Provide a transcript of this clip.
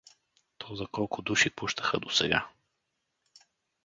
— То за колко души пущаха досега!